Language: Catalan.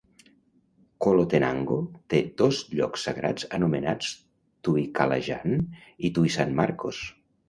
Colotenango té dos llocs sagrats anomenats Tuikalajan i Tuisanmarcos.